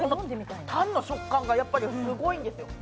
タンの食感がやっぱりすごいんですよ。